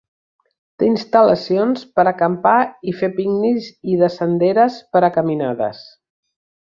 Té instal·lacions per a acampar i fer pícnics i de senderes per a caminades.